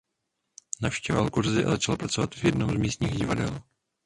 Navštěvoval kurzy a začal pracovat v jednom z místních divadel.